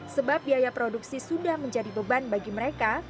sebab biaya produksi sudah menjadi beban bagi mereka